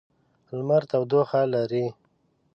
لمر تودوخه لري.